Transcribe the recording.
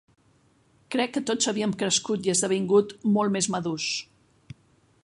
Crec que tots havíem crescut i esdevingut molt més madurs.